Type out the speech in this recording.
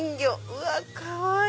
うわかわいい！